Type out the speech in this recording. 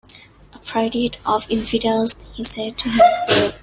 "A practice of infidels," he said to himself.